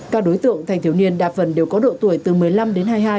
các đối tượng thành thiếu niên đa phần đều có độ tuổi từ một mươi năm đến hai mươi hai